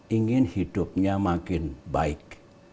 ingin hidupnya makin baik